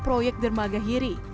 di kota kedengar di kota kedengar